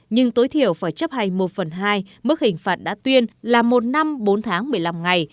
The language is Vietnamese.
nhưng tối thiểu phải chấp hành một phần hai mức hình phạt đã tuyên là một năm bốn tháng một mươi năm ngày